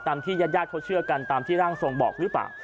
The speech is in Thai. ที่ญาติญาติเขาเชื่อกันตามที่ร่างทรงบอกหรือเปล่า